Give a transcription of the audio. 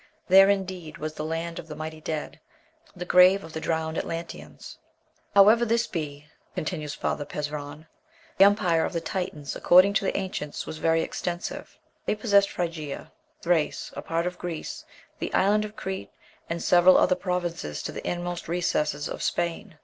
There, indeed, was the land of the mighty dead, the grave of the drowned Atlanteans. "However this be," continues F. Pezron, "the empire of the Titans, according to the ancients, was very extensive; they possessed Phrygia, Thrace, a part of Greece, the island of Crete, and several other provinces to the inmost recesses of Spain.